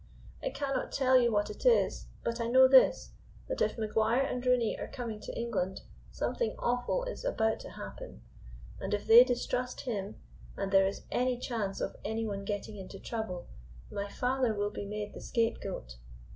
I cannot tell you what it is, but I know this, that if Maguire and Rooney are coming to England, something awful is about to happen, and if they distrust him, and there is any chance of any one getting into trouble, my father will be made the scapegoat.